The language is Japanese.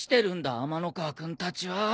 天ノ河君たちは。